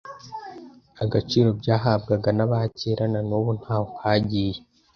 agaciro byahabwaga n’aba kera na nubu ntaho kagiye